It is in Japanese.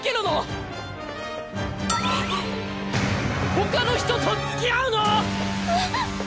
ほかの人とつきあうの⁉あっ！